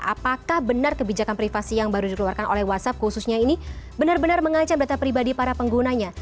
apakah benar kebijakan privasi yang baru dikeluarkan oleh whatsapp khususnya ini benar benar mengancam data pribadi para penggunanya